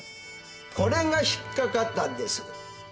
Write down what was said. これが引っ掛かったんです。